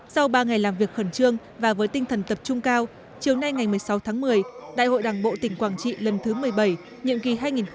sau ba ngày làm việc khẩn trương và với tinh thần tập trung cao chiều nay ngày một mươi sáu tháng một mươi đại hội đảng bộ tỉnh quảng trị lần thứ một mươi bảy